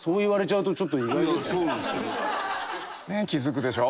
ねえ気付くでしょ？